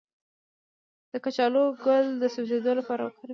د کچالو ګل د سوځیدو لپاره وکاروئ